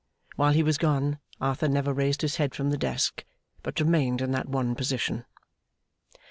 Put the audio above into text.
While he was gone Arthur never raised his head from the desk, but remained in that one position.